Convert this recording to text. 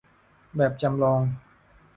ทำแบบจำลอง